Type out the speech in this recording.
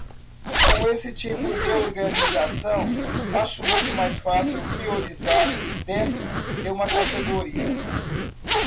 Com esse tipo de organização, acho muito mais fácil priorizar dentro de uma categoria.